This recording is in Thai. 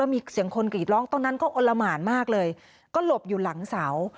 มีเสียงคนกรีดร้องตอนนั้นก็อลละหมานมากเลยก็หลบอยู่หลังเสา